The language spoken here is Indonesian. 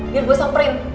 biar gue samperin